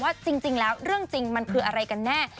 ว่าจริงแล้วเรื่องจริงมันคืออะไรกันแน่